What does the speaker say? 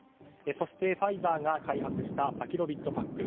そしてファイザーが開発したパキロビットパック。